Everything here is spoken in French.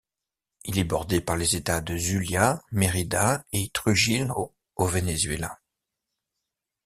Il est bordé par les États de Zulia, Mérida et Trujillo au Venezuela.